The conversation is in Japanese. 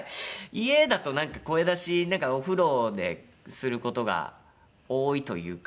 家だとなんか声出しお風呂でする事が多いというか。